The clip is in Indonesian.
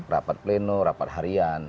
rapat plenum rapat harian